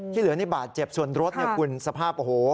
ที่เหลือนี่บาดเจ็บส่วนรถกลุ่นสภาพโอ้โฮ